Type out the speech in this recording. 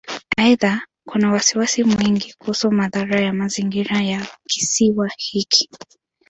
Aidha, kuna wasiwasi mwingi kuhusu madhara ya mazingira ya Kisiwa hiki.